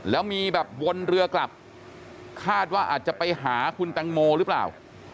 แล้วมีแบบวนเรือกลับคาดว่าอาจจะไปหาคุณตังโมหรือเปล่า